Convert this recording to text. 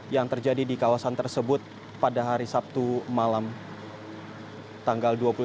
yang terjadi di kawasan tersebut pada hari sabtu malam tanggal dua puluh tiga